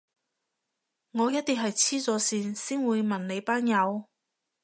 我一定係痴咗線先會問你班友